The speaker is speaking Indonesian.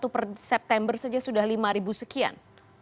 dua ribu dua puluh satu per september saja sudah lima sekian